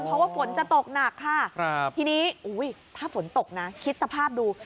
เพราะว่าฝนจะตกหนักค่ะทีนี้ถ้าฝนตกนะคิดสภาพดู